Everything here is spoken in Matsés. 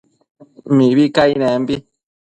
mibi cainenbi